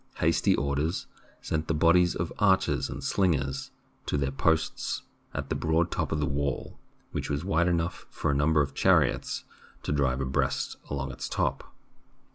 Hasty orders sent the bodies of archers and slingers to their posts on the broad top of the wall, which was wide enough for a number of chariots to drive abreast along its top.